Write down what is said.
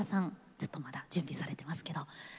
ちょっとまだ準備されてますけど。